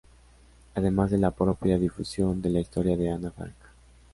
Además de la propia difusión de la historia de Ana Frank.